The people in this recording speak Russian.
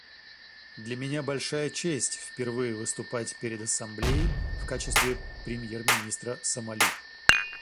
Для меня большая честь впервые выступать перед Ассамблеей в качестве премьер-министра Сомали.